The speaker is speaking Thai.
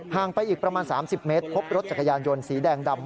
ไปอีกประมาณ๓๐เมตรพบรถจักรยานยนต์สีแดงดำ